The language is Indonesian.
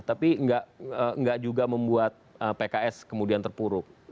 tapi nggak juga membuat pks kemudian terpuruk